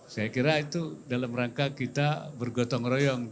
saya kira itu dalam rangka kita bergotong royong